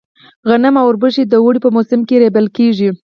غنم او اوربشې د اوړي په موسم کې رېبل کيږي.